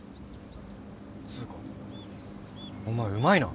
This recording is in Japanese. つうかお前うまいな。